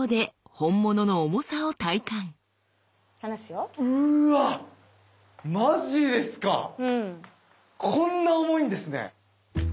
こんな重いんですね。